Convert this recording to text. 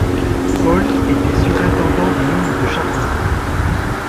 Paul était surintendant des mines de charbon.